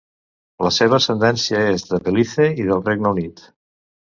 La seva ascendència és de Belize i del Regne Unit.